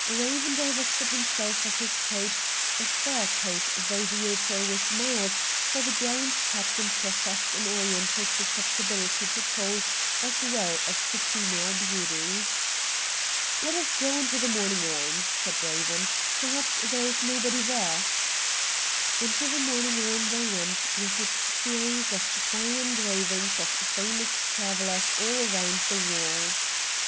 Eaven divested himself of his coat — a fur coat though the April was mild, for the gallant Captain professed an Oriental susceptibility to cold as well as to female beauty. 'Let us go into the morning room,' said Eaven. ' Perhaps there is nobody there.' Into the morning room they went, with its series of fine engravings of famous travellers all round the walls.